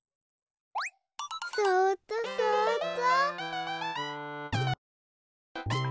そうっとそうっと。